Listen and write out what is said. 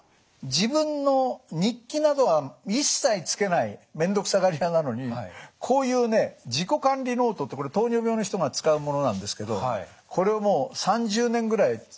自分の日記などは一切つけない面倒くさがり屋なのにこういうね自己管理ノートってこれ糖尿病の人が使うものなんですけどこれをもう３０年ぐらいつけて。